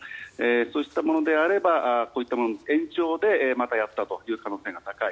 そういったものであればこういったものの延長でやった可能性が高い。